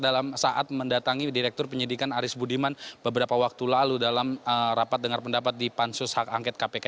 dalam saat mendatangi direktur penyidikan aris budiman beberapa waktu lalu dalam rapat dengar pendapat di pansus hak angket kpk